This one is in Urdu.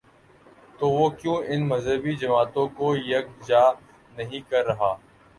تو وہ کیوں ان مذہبی جماعتوں کو یک جا نہیں کر رہا؟